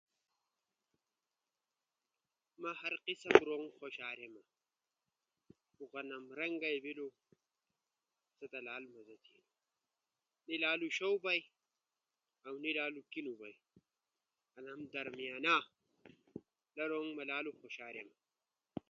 ما ہر قسم رونگ خوشاریما، خو غنم رنگ بیلو آسو تا لالو مزا تھیما۔ آسو تی لالو شو بئی، اؤ نی لالو کیلو بئی۔ ادامو درمیانہ رونگ لالو خوشاریما۔